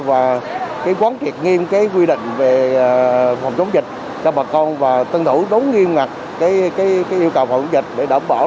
và quán triệt nghiêm cái quy định về phòng chống dịch cho bà con và tân thủ đúng nghiêm ngặt cái yêu cầu phòng dịch để đảm bảo